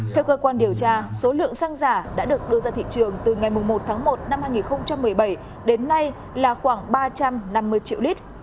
theo cơ quan điều tra số lượng xăng giả đã được đưa ra thị trường từ ngày một tháng một năm hai nghìn một mươi bảy đến nay là khoảng ba trăm năm mươi triệu lít